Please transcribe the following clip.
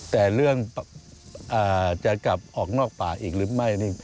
แต่เรื่องจะกลับออกนอกป่าอีกหรือไม่